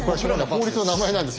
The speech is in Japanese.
法律の名前なんです。